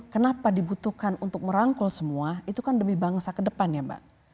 kenapa dibutuhkan untuk merangkul semua itu kan demi bangsa ke depan ya mbak